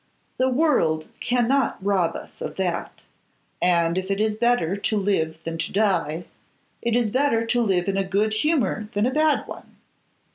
The world cannot rob us of that; and if it is better to live than to die, it is better to live in a good humour than a bad one.